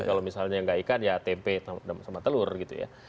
kalau misalnya nggak ikan ya tempe sama telur gitu ya